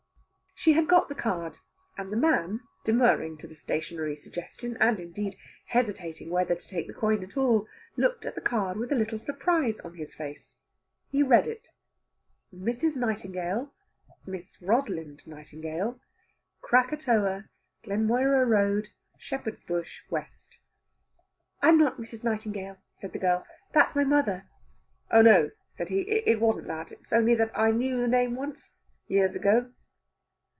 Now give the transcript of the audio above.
She had got the card, and the man, demurring to the stationery suggestion, and, indeed, hesitating whether to take the coin at all, looked at the card with a little surprise on his face. He read it: ++||| MRS. NIGHTINGALE. |||| MISS ROSALIND NIGHTINGALE. |||||| KRAKATOA, GLENMOIRA ROAD, |||| SHEPHERD'S BUSH, W. |||++ "I'm not Mrs. Nightingale," said the girl. "That's my mother." "Oh no!" said he. "It wasn't that. It was only that I knew the name once years ago."